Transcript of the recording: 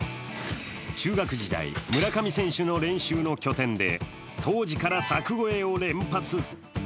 中学時代、村上選手の練習の拠点で当時から柵越えを連発。